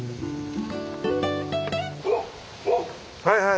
はいはい。